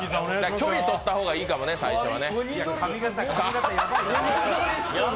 距離とった方がいいかもね、最初は。